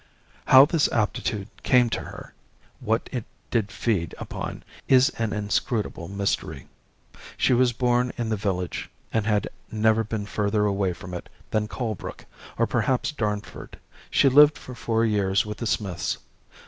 "How this aptitude came to her, what it did feed upon, is an inscrutable mystery. She was born in the village, and had never been further away from it than Colebrook or perhaps Darnford. She lived for four years with the Smiths.